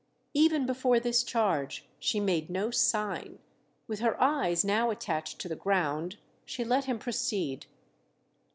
Even before this charge she made no sign; with her eyes now attached to the ground she let him proceed.